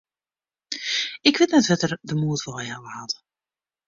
Ik wit net wêr't er de moed wei helle hat.